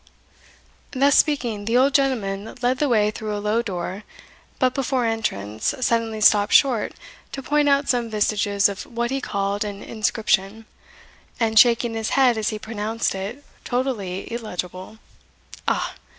Thus speaking the old gentleman led the way through a low door; but before entrance, suddenly stopped short to point out some vestiges of what he called an inscription, and, shaking his head as he pronounced it totally illegible, "Ah!